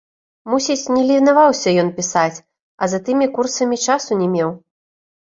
Мусіць, не ленаваўся ён пісаць, а за тымі курсамі часу не меў.